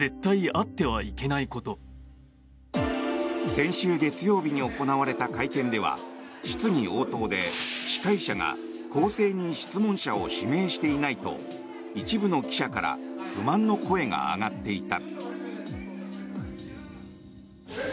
先週月曜日に行われた会見では質疑応答で司会者が公正に質問者を指名していないと一部の記者から不満の声が上がっていた。